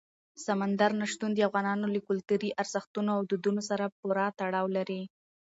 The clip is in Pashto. سمندر نه شتون د افغانانو له کلتوري ارزښتونو او دودونو سره پوره تړاو لري.